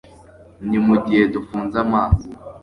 ni mugihe dufunze amaso